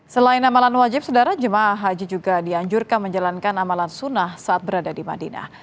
selain amalan wajib sedara jemaah haji juga dianjurkan menjalankan amalan sunnah saat berada di madinah